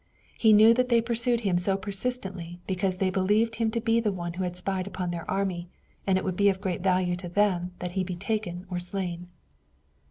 He knew that they pursued him so persistently because they believed him to be one who had spied upon their army and it would be of great value to them that he be taken or slain.